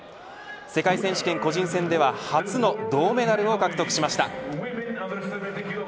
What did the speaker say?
世界選手権個人戦では初の銅メダルを獲得しました。